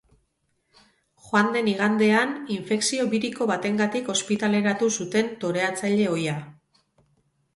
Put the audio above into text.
Joan den igandean infekzio biriko batengatik ospitaleratu zuten toreatzaile ohia.